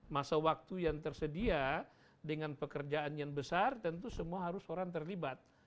masa waktu yang tersedia dengan pekerjaan yang besar tentu semua harus orang terlibat